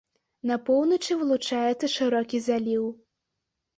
На поўначы вылучаецца шырокі заліў.